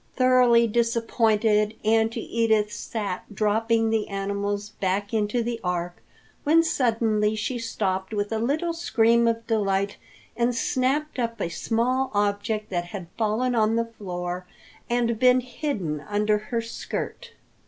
Thoroughly disappointed, Auntie Edith sat dropping the animals back into the Ark when suddenly she stopped with a little scream of delight and snapped up a small object that had fallen on the floor and been hidden under her skirt.